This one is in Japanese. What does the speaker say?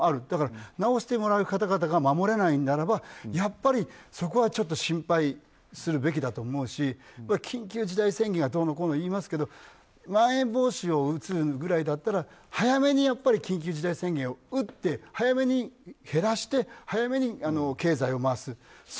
だから治してもらう方々が守れないならば、やっぱりそこは心配するべきだと思うし緊急事態宣言がどうのこうの言いますけどまん延防止を打つぐらいだったら早めに緊急事態宣言を打って早めに減らして早めに経済を回す。